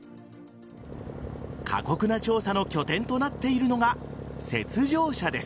過酷な調査の拠点となっているのが雪上車です。